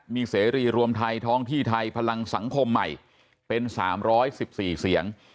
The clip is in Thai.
มีเสรีรวมไทยท้องที่ไทยพลังสังคมใหม่เป็น๓๑๔เสียง